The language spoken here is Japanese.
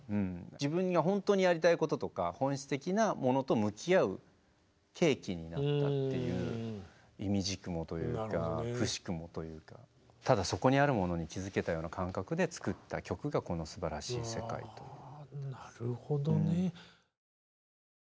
自分には本当にやりたいこととか本質的なものと向き合う契機になったっていういみじくもというかくしくもというかただそこにあるものに気付けたような感覚で作った曲がこの「素晴らしい世界」という。